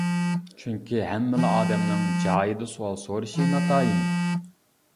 چۈنكى ھەممىلا ئادەمنىڭ جايىدا سوئال سورىشى ناتايىن.